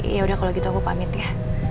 yaudah kalau gitu aku pamit ya